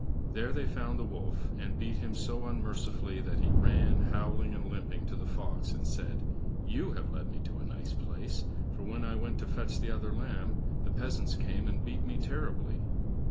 There they found the wolf, and beat him so unmercifully that he ran, howling and limping, to the fox, and said: "You have led me to a nice place, for, when I went to fetch the other lamb, the peasants came and beat me terribly!"